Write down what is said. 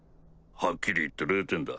はっきり言って０点だ。